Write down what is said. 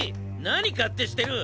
なにかってしてる！